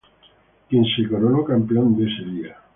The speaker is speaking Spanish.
Quien se coronó campeón de ese día.